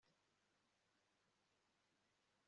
Umususu ukora umusatsi we wicyatsi